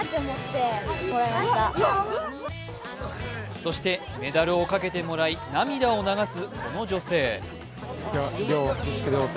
そしてメダルをかけてもらい涙を流すこの女性。